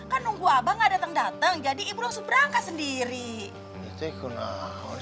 kan nunggu abah gak dateng dateng jadi ibu langsung berangkat sendiri